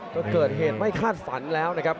ก็เกิดเหตุไม่คาดฝันแล้วนะครับ